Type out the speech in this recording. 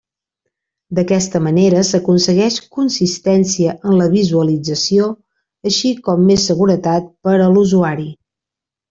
D'aquesta manera s'aconsegueix consistència en la visualització, així com més seguretat per a l'usuari.